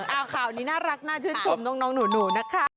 เอาข่าวนี้น่ารักน่าชื่นชมน้องหนูนะคะ